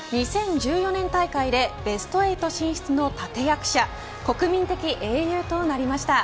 ２０１４年大会でベスト８進出の立て役者国民的英雄となりました。